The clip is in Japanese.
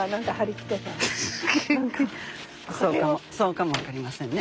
フフそうかも分かりませんね。